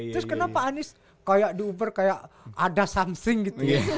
terus kenapa pak anies kayak diuber kayak ada something gitu